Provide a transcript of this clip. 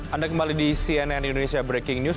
anda kembali di cnn indonesia breaking news